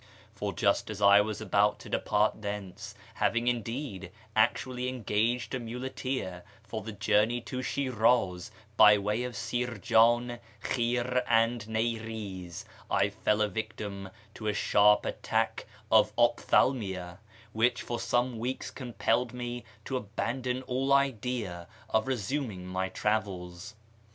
For just as I was about to depart thence (having, indeed, actually engaged a muleteer for the journey to Shi'raz by way of Sirjan, Khir, and Niriz), I fell a victim to a sharp attack of ophthalmia, which for some weeks compelled me to abandon all idea of resuming my travels.